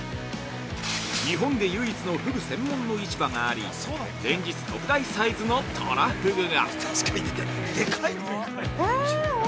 日本で唯一のふぐ専門の市場があり連日、特大サイズのとらふぐが！